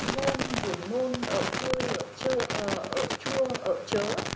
những nguồn môn nguồn môn ợt chua ợt chớ